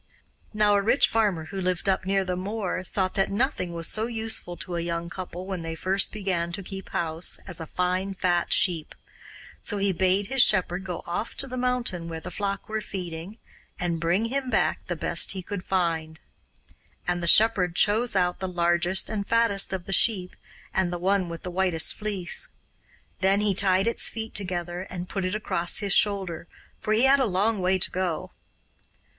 Now a rich farmer who lived up near the moor thought that nothing was so useful to a young couple when they first began to keep house as a fine fat sheep, so he bade his shepherd go off to the mountain where the flock were feeding, and bring him back the best he could find. And the shepherd chose out the largest and fattest of the sheep and the one with the whitest fleece; then he tied its feet together and put it across his shoulder, for he had a long way to go.